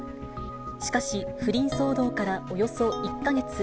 しかし、不倫騒動からおよそ１か月。